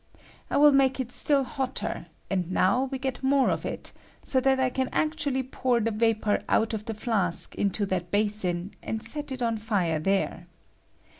I will make it still hotter, and now we get more I of it, so that I can actually pour the vapor I out of the flask into that basin, and set it on I fire there.